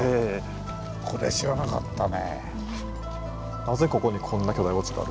これは知らなかったね。